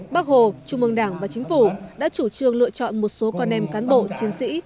bác hồ trung mương đảng và chính phủ đã chủ trương lựa chọn một số con em cán bộ chiến sĩ